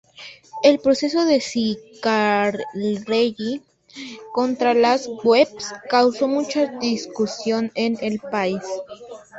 El proceso de Cicarelli contra las webs causó mucha discusión en el país.